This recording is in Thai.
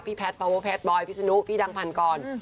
พี่แพทปาโวแพทบอยพี่สนุพี่ดังพันกร